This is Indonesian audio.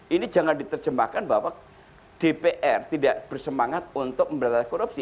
ini jangan diterjemahkan bahwa dpr tidak bersemangat untuk memberantasan korupsi